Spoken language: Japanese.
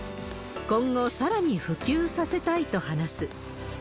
今後、さらに普及させたいと話す。